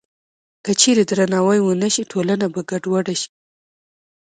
که چېرې درناوی ونه شي، ټولنه به ګډوډه شي.